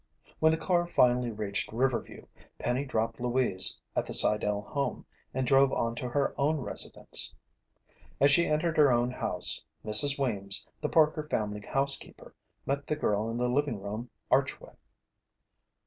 When the car finally reached Riverview, Penny dropped Louise at the Sidell home and drove on to her own residence. As she entered her own house, Mrs. Weems, the Parker family housekeeper, met the girl in the living room archway.